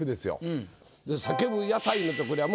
「叫ぶ屋台の」とくりゃ